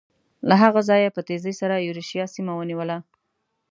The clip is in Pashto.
له هغه ځایه یې په تېزۍ سره یورشیا سیمه ونیوله.